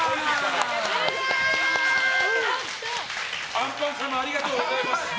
あんぱん様ありがとうございます。